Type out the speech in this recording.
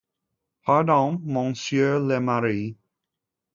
Pardon, monsieur le maire....